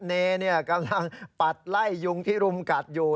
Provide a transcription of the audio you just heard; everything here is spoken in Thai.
เนกำลังปัดไล่ยุงที่รุมกัดอยู่